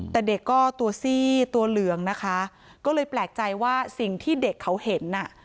แต่เด็กก็ตัวซี่ตัวเหลืองนะคะก็เลยแปลกใจว่าสิ่งที่เด็กเขาเห็นอ่ะ